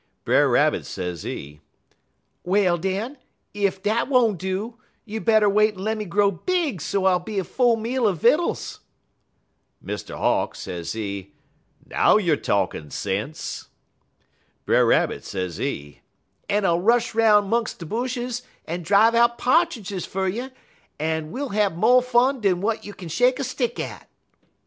"Brer Rabbit, sezee, 'Well, den, ef dat won't do, you better wait en lemme grow big so I'll be a full meal er vittles.' "Mr. Hawk, sezee, 'Now youer talkin' sense!' "Brer Rabbit, sezee, 'En I'll rush 'roun' 'mungs' de bushes, en drive out Pa'tridges fer you, en we'll have mo' fun dan w'at you kin shake a stick at.'